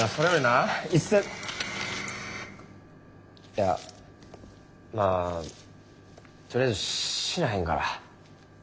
いやまあとりあえず死なへんから。